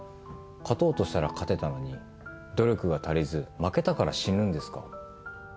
「勝とうとしたら勝てたのに努力が足りず負けたから死ぬんですか？」